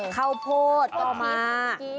ข้าวโพดต่อมา